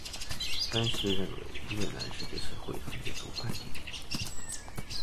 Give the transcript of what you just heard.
分析认为越南是这次会谈的主办地点。